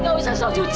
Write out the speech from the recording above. kamu bisa selangis